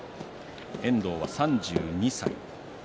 遠藤は３２歳。